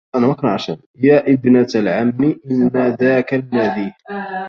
يا أبنة العم إن ذاك الذي